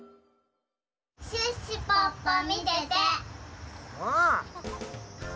シュッシュポッポみてて！